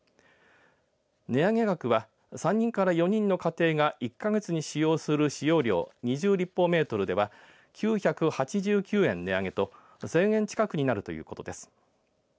値上げ額は３人から４人の家庭が１か月に使用する使用量２０立方メートルでは９８９円に値上げと１０００円近くになるということです。